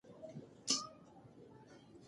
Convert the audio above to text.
ایا ته خپل استعداد لوړول غواړې؟